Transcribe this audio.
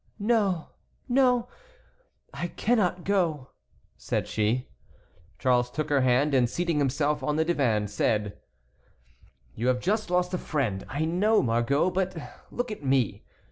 "No, no, I cannot go," said she. Charles took her hand and seating himself on the divan said: "You have just lost a friend, I know, Margot; but look at me.